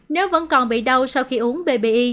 nếu vẫn còn bị đau sau khi uống bbi